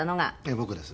僕です。